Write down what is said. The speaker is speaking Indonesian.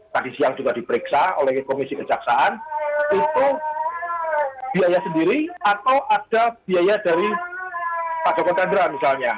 tadi siang juga diperiksa oleh komisi kejaksaan itu biaya sendiri atau ada biaya dari pak joko chandra misalnya